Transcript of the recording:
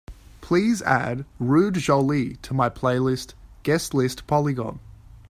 Please add Ruud Jolie to my playlist Guest List Polygon